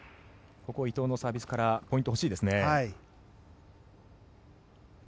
ここは伊藤のサービスからポイント欲しいですね。